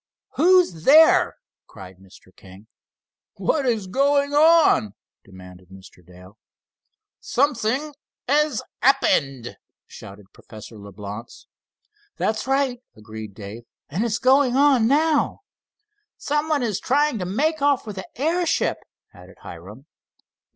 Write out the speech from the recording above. "Who's there?" cried Mr. King. "What is going on?" demanded Mr. Dale. "Something has happened!" shouted Professor Leblance. "That's right!" agreed Dave, "and it's going on now." "Someone is trying to make off with the airship," added Hiram.